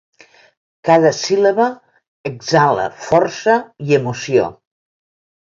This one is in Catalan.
Cada síl·laba exhala força i emoció.